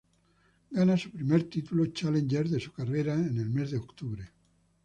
Gana su primer título challenger de su carrera en el mes de octubre.